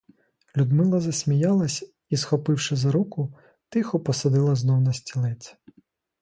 Людмила засміялась і, схопивши за руку, тихо посадила знов на стілець.